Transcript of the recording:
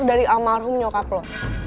dari amalrum nyokap lo